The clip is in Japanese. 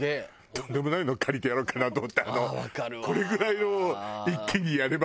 とんでもないのを借りてやろうかなと思ってこれぐらいのを一気にやれば。